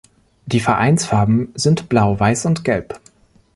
Die Vereinsfarben sind blau, weiß und gelb.